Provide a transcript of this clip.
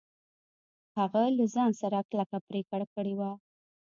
هغه له ځان سره کلکه پرېکړه کړې وه.